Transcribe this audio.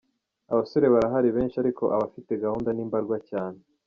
Abasore barahari benshi ariko abafite gahunda ni mbarwa cyane.